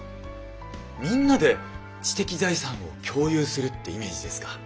みんなで知的財産を共有するってイメージですか。